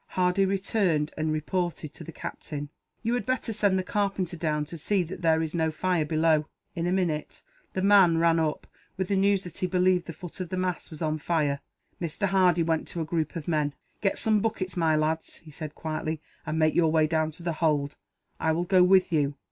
Hardy returned, and reported to the captain. "You had better send the carpenter down, to see that there is no fire below." In a minute the man ran up, with the news that he believed the foot of the mast was on fire. Mr. Hardy went to a group of men. "Get some buckets, my lads," he said quietly, "and make your way down to the hold. I will go with you.